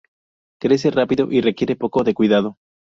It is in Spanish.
Crece rápido y requiere poco de cuidado.